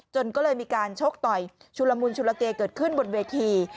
จนก็เลยมีการชกต่อยชุลมุนชุลเกเกิดขึ้นบนเวที